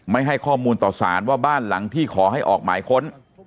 ให้ข้อมูลต่อสารว่าบ้านหลังที่ขอให้ออกหมายค้น